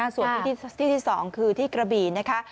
ส่วนที่ที่๒คือที่กระบี่นะคะ